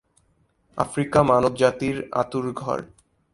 Africa মানবজাতির আতুড়ঘর।